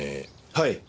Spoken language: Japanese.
はい。